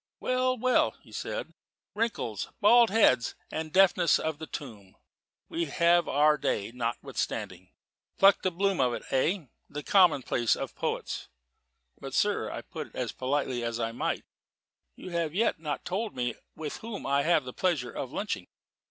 "Well, well," he said, "wrinkles, bald heads, and the deafness of the tomb we have our day notwithstanding. Pluck the bloom of it hey? a commonplace of the poets." "But, sir," I put in as politely as I might, "you have not yet told me with whom I have the pleasure of lunching."